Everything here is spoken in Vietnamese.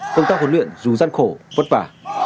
công tác huấn luyện dù gian khổ vất vả